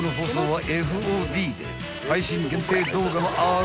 ［配信限定動画もある］